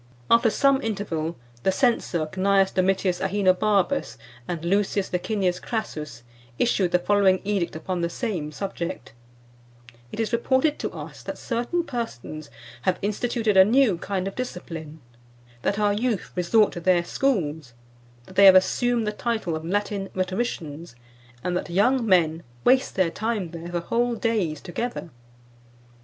'" After some interval, the censor Cnaeus Domitius Aenobarbus and Lucius Licinius Crassus issued the following edict upon the same subject: "It is reported to us that certain persons have instituted a new kind of discipline; that our youth resort to their schools; that they have assumed the title of Latin Rhetoricians; and that young men waste their time there for whole days together.